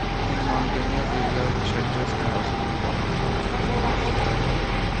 In mountainous areas the shelters can also be important for mountaineers.